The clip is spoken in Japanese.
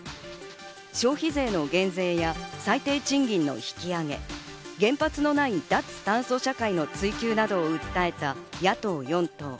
消費税の減税や最低賃金の引き上げ、原発のない脱炭素社会の追求などを訴えた野党４党。